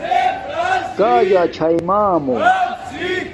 کݳ جݳ چھݳئی مݳمݸ؟